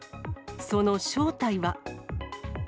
その正体は。